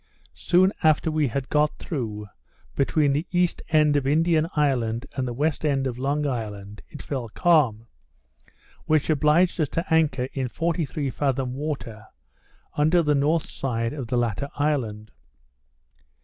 Soon after we had got through, between the east end of Indian Island and the west end of Long Island, it fell calm, which obliged us to anchor in forty three fathom water, under the north side of the latter island.